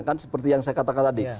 kan seperti yang saya katakan tadi